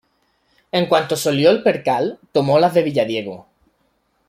En cuanto se olió el percal, tomó las de Villadiego